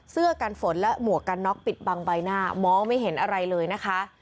เสื้อกันฝนและหมวกกันน็อกปิดบังใบหน้ามองไม่เห็นอะไรเลยนะคะ